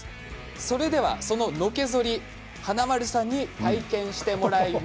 それではそののけぞり、華丸さんに体験してもらいます。